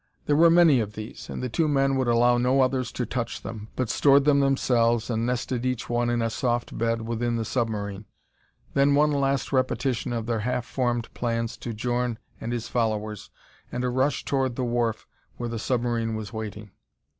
There were many of these, and the two men would allow no others to touch them, but stored them themselves and nested each one in a soft bed within the submarine. Then one last repetition of their half formed plans to Djorn and his followers and a rush toward the wharf where the submarine was waiting.